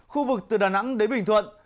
khu vực từ đà nẵng đến bình thuận